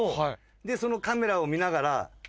でそのカメラを見ながら操作。